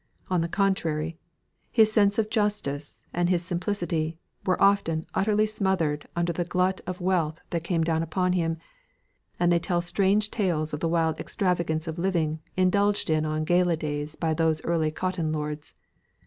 On the contrary, his sense of justice, and his simplicity, were often utterly smothered under the glut of wealth that came down upon him; and they tell strange tales of the wild extravagance of living indulged in on gala days by those early cotton lords.